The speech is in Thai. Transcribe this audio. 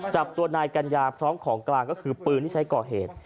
จับตัวนายกัญญาพร้อมของกลางก็คือปืนที่ใช้ก่อเหตุ